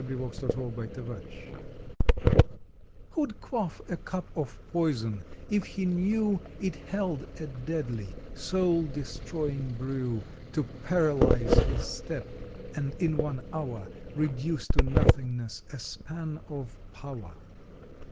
October Twenty second POISON VKTHO D quaff a cup of poison If he knew It held a deadly, soul destroying brew, To paralyze his step, and in one hour Reduce to nothingness a span of power?